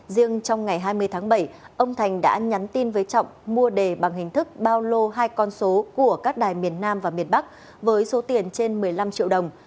riêng trong ngày hai mươi tháng bảy ông thành đã nhắn tin với trọng mua đề bằng hình thức bao lô hai con số của các đài miền nam và miền bắc với số tiền trên một mươi năm triệu đồng